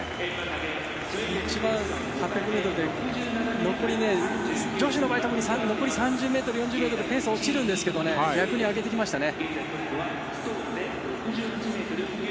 ８００ｍ女子の場合残り３０ｍ４０ｍはペースが落ちるんですけど、逆に上げてきましたね。